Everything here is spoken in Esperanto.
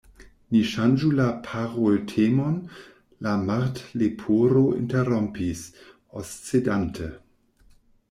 "Ni ŝanĝu la paroltemon," la Martleporo interrompis, oscedante.